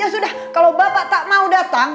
ya sudah kalau bapak tak mau datang